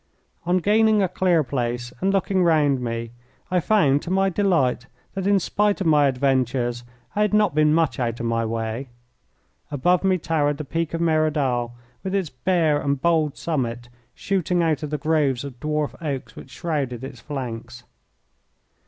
On gaining a clear place and looking round me, I found to my delight that in spite of my adventures I had not been much out of my way. Above me towered the peak of Merodal, with its bare and bold summit shooting out of the groves of dwarf oaks which shrouded its flanks.